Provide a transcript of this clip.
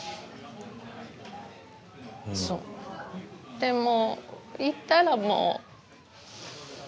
でも行ったらもう。